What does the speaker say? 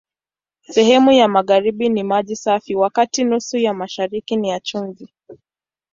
Sehemu ya magharibi ni maji safi, wakati nusu ya mashariki ni ya chumvi.